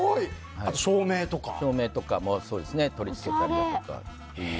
照明も取り付けたりだとか。